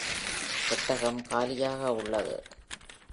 பெட்டகம் காலியாக உள்ளது.